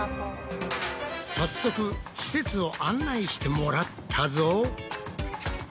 早速施設を案内してもらったぞ！